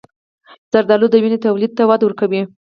زردآلو د وینې تولید ته وده ورکوي.